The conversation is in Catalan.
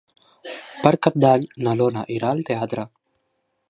Per Cap d'Any na Lola irà al teatre.